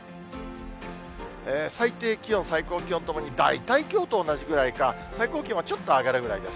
最低気温、最高気温ともに大体きょうと同じくらいか、最高気温はちょっと上がるぐらいです。